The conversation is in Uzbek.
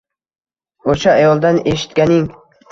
o'sha ayoldan eshitganing